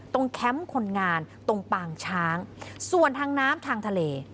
แคมป์คนงานตรงปางช้างส่วนทางน้ำทางทะเล